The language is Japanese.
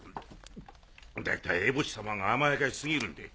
大体エボシ様が甘やかし過ぎるんで。